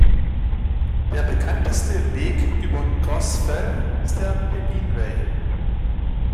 Der bekannteste Weg über Cross Fell ist der Pennine Way.